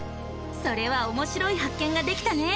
それはおもしろい発見ができたね！